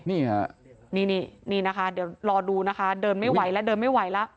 นี่ค่ะนี่นี่นะคะเดี๋ยวรอดูนะคะเดินไม่ไหวแล้วเดินไม่ไหวแล้ว